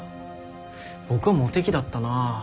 僕はモテ期だったなあ。